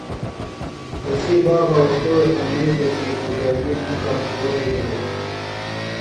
تسی بابہ اوستوذہ تھےۡ منِیتوۡ کی بُدرَگیۡ نوۡ کمزورئی بِھلو ہِنوۡ۔